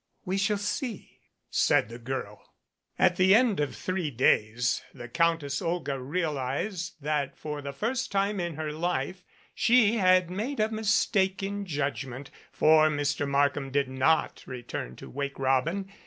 "We shall see," said the girl. At the end of three days the Countess Olga realized that for the first time in her life she had made a mistake in judgment ; for Mr. Markham did not return to "Wake Robin."